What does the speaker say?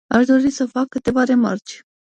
Aș dori să fac câteva remarci.